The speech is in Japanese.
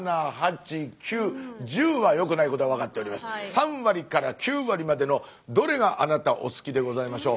３割から９割までのどれがあなたお好きでございましょう？